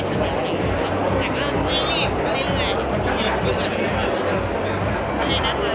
เอิ้นไหนหน้าตาไม่ค่ะไม่เห็นค่ะ